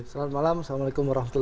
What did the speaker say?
selamat malam assalamualaikum wr wb